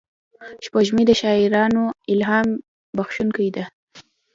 سپوږمۍ د شاعرانو الهام بښونکې ده